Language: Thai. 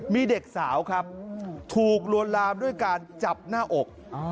มีเด็กสาวครับถูกลวนลามด้วยการจับหน้าอก